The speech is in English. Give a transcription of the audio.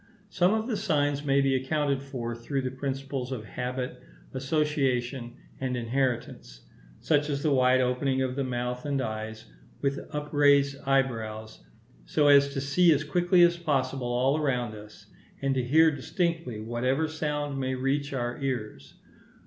Some of the signs may be accounted for through the principles of habit, association, and inheritance,—such as the wide opening of the mouth and eyes, with upraised eyebrows, so as to see as quickly as possible all around us, and to hear distinctly whatever sound may reach our ears.